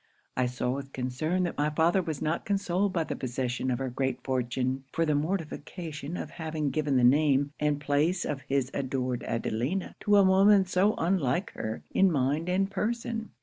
I saw with concern that my father was not consoled by the possession of her great fortune, for the mortification of having given the name and place of his adored Adelina to a woman so unlike her in mind and person.